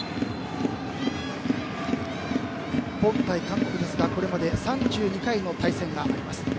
日本対韓国ですがこれまで３２回の対戦があります。